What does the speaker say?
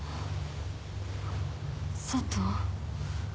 佐藤？